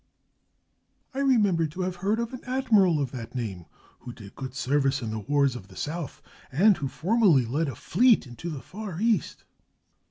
"I remember to have heard of an admiral of that name who did good service in the wars of the south, and who formerly led a fleet into the far East."